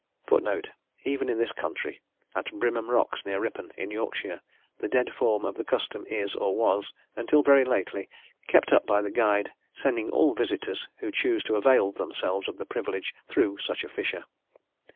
Even in this country, at Brimham Rocks, near Ripon, in Yorkshire, the dead form of the custom is, or was, until very lately, kept up by the guide sending all visitors, who chose to avail themselves of the privilege, through such a fissure.